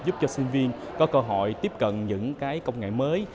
giúp cho sinh viên có cơ hội tiếp cận những cái công nghệ mới